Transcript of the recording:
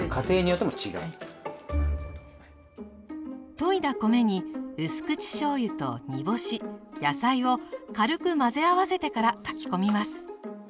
といだ米にうす口しょうゆと煮干し野菜を軽く混ぜ合わせてから炊き込みます。